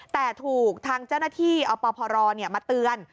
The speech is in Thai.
แต่ถูกทางเจ้าหน้าที่อพรมาเตือน